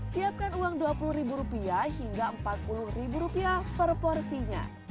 siapkan uang rp dua puluh hingga rp empat puluh per porsinya